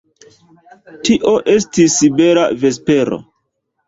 Tio estis bela vespero.